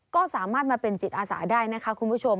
ก็สามารถมาเป็นจิตอาสาได้นะคะคุณผู้ชม